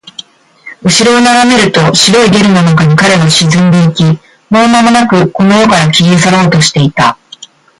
後ろを眺めると、白いゲルの中に彼は沈んでいき、もうまもなくこの世から消え去ろうとしていた